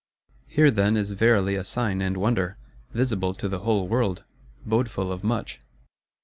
Here, then is verily a sign and wonder; visible to the whole world; bodeful of much.